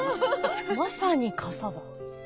まさに笠だ。